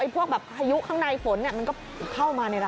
พวกแบบพายุข้างในฝนมันก็เข้ามาในร้าน